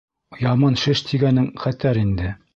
— Яман шеш тигәнең хәтәр инде.